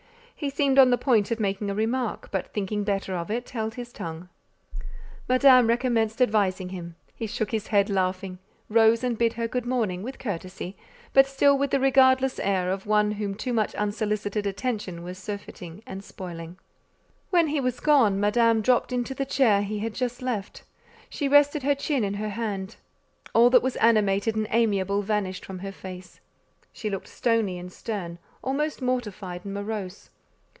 He seemed on the point of making a remark; but thinking better of it, held his tongue. Madame recommenced advising him; he shook his head, laughing, rose and bid her good morning, with courtesy, but still with the regardless air of one whom too much unsolicited attention was surfeiting and spoiling. When he was gone, Madame dropped into the chair he had just left; she rested her chin in her hand; all that was animated and amiable vanished from her face: she looked stony and stern, almost mortified and morose.